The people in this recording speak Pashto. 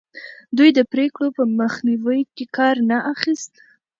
دوی د پرېکړو په مخنیوي کې کار نه اخیست.